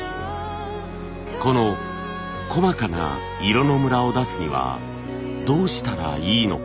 この細かな色のムラを出すにはどうしたらいいのか？